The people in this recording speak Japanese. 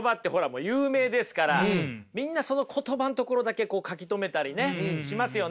もう有名ですからみんなその言葉のところだけこう書き留めたりねしますよね。